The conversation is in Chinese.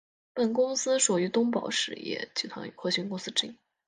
本公司属于东宝实业集团核心公司之一。